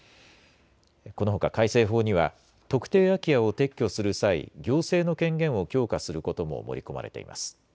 このほか改正法には特定空き家を撤去する際、行政の権限を強化することも盛り込まれています。